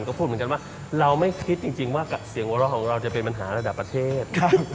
ก็พูดเหมือนกันว่าเราไม่คิดจริงว่าเสียงหัวเราะของเราจะเป็นปัญหาระดับประเทศ